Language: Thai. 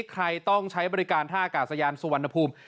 ใครต้องใช้บริการท่าอากาศยานสุวรรณภูมิ